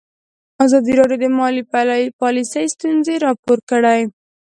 ازادي راډیو د مالي پالیسي ستونزې راپور کړي.